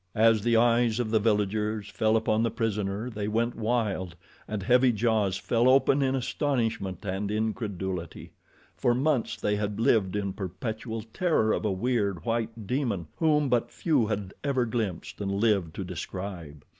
As the eyes of the villagers fell upon the prisoner, they went wild, and heavy jaws fell open in astonishment and incredulity. For months they had lived in perpetual terror of a weird, white demon whom but few had ever glimpsed and lived to describe.